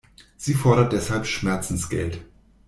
Sie fordert deshalb Schmerzensgeld.